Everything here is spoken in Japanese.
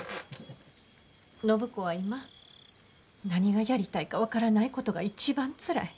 暢子は今何がやりたいか分からないことが一番つらい。